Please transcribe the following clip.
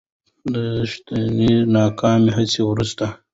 د تېښتې ناکامې هڅې وروسته